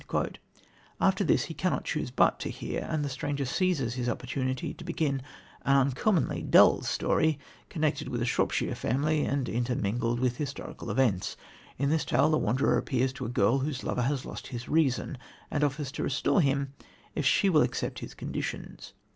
After this he cannot choose but hear, and the stranger seizes his opportunity to begin an uncommonly dull story, connected with a Shropshire family and intermingled with historical events. In this tale the Wanderer appears to a girl whose lover has lost his reason, and offers to restore him if she will accept his conditions.